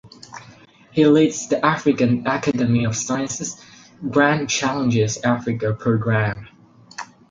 He leads the African Academy of Sciences Grand Challenges Africa Programme.